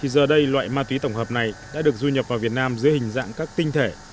đã được du nhập vào việt nam giữa hình dạng các tinh thể